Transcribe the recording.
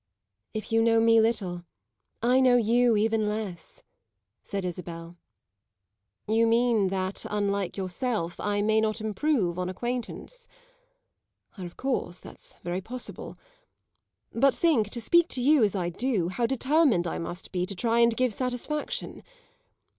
"If you know me little I know you even less," said Isabel. "You mean that, unlike yourself, I may not improve on acquaintance? Ah, of course that's very possible. But think, to speak to you as I do, how determined I must be to try and give satisfaction!